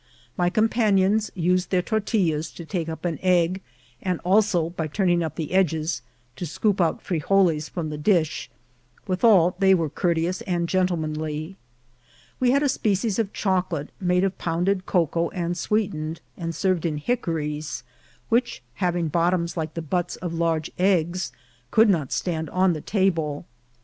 My companions used their tortillas to take up an egg, and also, by turn ing up the edges, to scoop out frigoles from the dish ; withal, they were courteous and gentlemanly. We had a species of chocolate, made of pounded cocoa and sweetened, and served in hickories, which, having bot toms like the butts of large eggs, could not stand on the table.